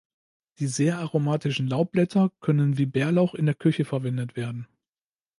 Die sehr aromatischen Laubblätter können wie Bärlauch in der Küche verwendet werden.